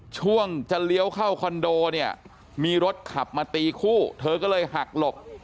ช่วงจะเลี้ยวเข้าคอนโดเนี่ยมีรถขับมาตีคู่เธอก็เลยหักหลบ